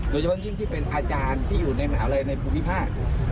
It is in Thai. โดยเฉพาะยิ่งที่เป็นอาจารย์ที่อยู่ในมหาลัยในภูมิภาค